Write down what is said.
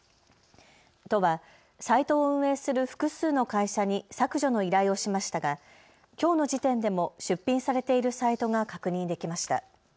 都はサイトを運営する複数の会社に削除の依頼をしましたがきょうの時点でも出品されているサイトが確認できました。